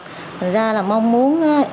thành ra là mong muốn